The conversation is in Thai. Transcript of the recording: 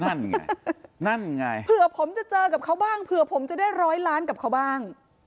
นั่นไงนั่นไงเผื่อผมจะเจอกับเขาบ้างเผื่อผมจะได้ร้อยล้านกับเขาบ้าง